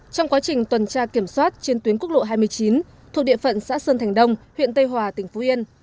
trong quá trình tuần tra kiểm soát trên tuyến quốc lộ hai mươi chín thuộc địa phận xã sơn thành đông huyện tây hòa tỉnh phú yên